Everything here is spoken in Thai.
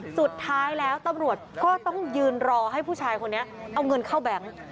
สุดท้ายแล้วตำรวจก็ต้องยืนรอให้ผู้ชายคนนี้เอาเงินเข้าแบงค์